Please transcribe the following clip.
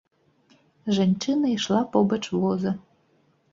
Жанчына ішла побач воза.